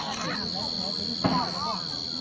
ลองเห็นที่รัฐแยกได้